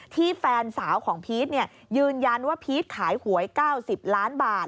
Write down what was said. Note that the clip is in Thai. แฟนสาวของพีชยืนยันว่าพีชขายหวย๙๐ล้านบาท